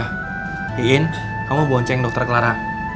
hiin kamu bonceng dokter clara